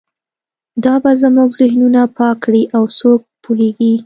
دا به زموږ ذهنونه پاک کړي او څوک پوهیږي